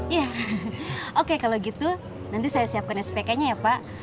ya oke kalau gitu nanti saya siapkan spk nya ya pak